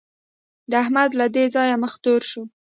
د احمد له دې ځايه مخ تور شو.